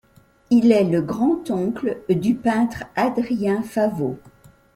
Il est le grand-oncle du peintre Adrien Faveau.